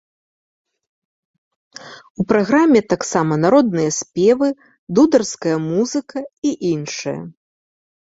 У праграме таксама народныя спевы, дударская музыка і іншае.